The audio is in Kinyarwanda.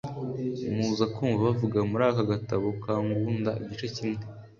muza kumva bavuga muri aka gatabo kangunda igice kimwe